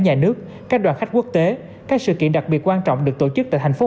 nhà nước các đoàn khách quốc tế các sự kiện đặc biệt quan trọng được tổ chức tại thành phố